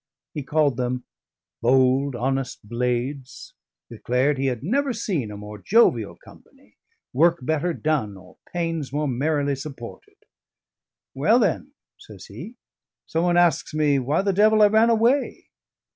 He called them "bold, honest blades," declared he had never seen a more jovial company, work better done, or pains more merrily supported. "Well, then," says he, "some one asks me, Why the devil I ran away?